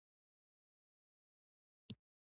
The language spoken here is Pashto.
بوډۍ خپلې پښې ور ټولې کړې.